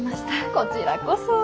こちらこそ。